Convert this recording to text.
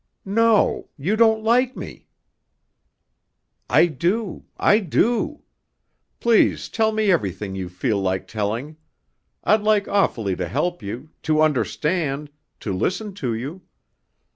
"No. You don't like me." "I do I do. Please tell me everything you feel like telling; I'd like awfully to help you, to understand, to listen to you.